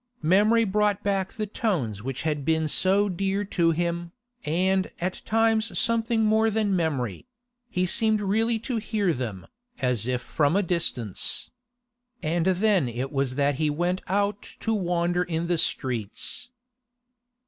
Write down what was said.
Memory brought back the tones which had been so dear to him, and at times something more than memory; he seemed really to hear them, as if from a distance. And then it was that he went out to wander in the streets.